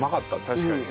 確かに。